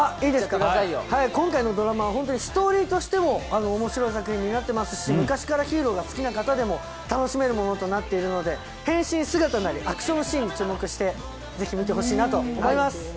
今回のドラマはストーリーとしても面白い作品となっていますし昔からヒーローが好きな方でも楽しめるものになっているので変身姿なりアクションシーンに注目してぜひ見てほしいなと思います。